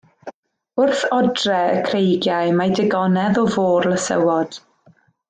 Wrth odre y creigiau mae digonedd o fôr lysywod.